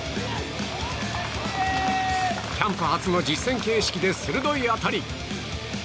キャンプ初の実戦形式で鋭い当たり。